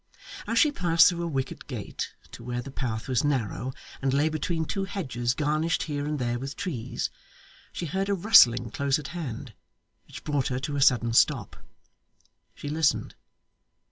As she passed through a wicket gate to where the path was narrow, and lay between two hedges garnished here and there with trees, she heard a rustling close at hand, which brought her to a sudden stop. She listened.